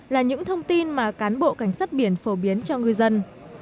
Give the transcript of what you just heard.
là những thông tin mà cán bộ cảnh sát biển phổ biến cho ngư dân